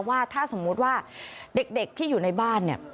ว่าถ้าสมมุติว่าเด็กที่อยู่ในบ้านเนี่ย